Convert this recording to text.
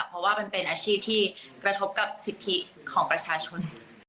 เพราะว่ามันเป็นอาชีพที่กระทบกับสิทธิของประชาชน